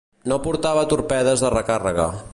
No portava torpedes de recàrrega.